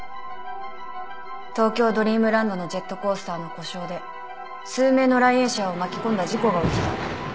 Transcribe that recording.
東京ドリームランドのジェットコースターの故障で数名の来園者を巻き込んだ事故が起きた。